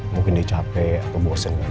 mungkin dia capek atau bosen